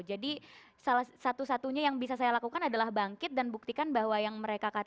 jadi satu satunya yang bisa saya lakukan adalah bangkit dan buktikan bahwa yang mereka kandung